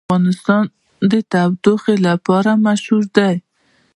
افغانستان د تودوخه لپاره مشهور دی.